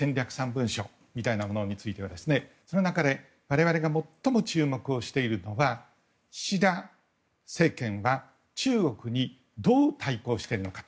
３文書みたいなものについてはその中で、我々が最も注目しているのは岸田政権は中国にどう対抗しているのか。